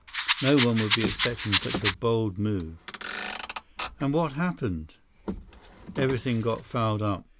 No one would be expecting such a bold move." "And what happened?" "Everything got fouled up.